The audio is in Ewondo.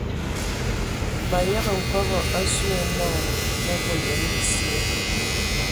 Mayəgə nkɔbɔ asu yi nə mə volo yen bisye.